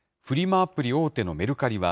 アプリ大手のメルカリは、